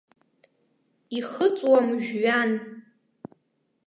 Ихыҵуам жәҩан.